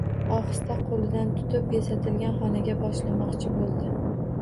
Ohista qo`lidan tutib, bezatilgan xonaga boshlamoqchi bo`ldi